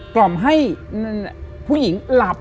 กล่อมให้ผู้หญิงหลับ